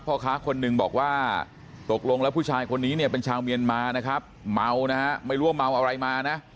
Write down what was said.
พ่อค้าคนหนึ่งบอกว่าตกลงแล้วผู้ชายคนนี้เนี่ยเป็นชาวเมียนมานะครับเมานะฮะไม่รู้ว่าเมาอะไรมานะ